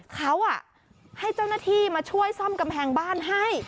เขาให้เจ้าหน้าที่มาช่วยซ่อมกำแพงบ้านให้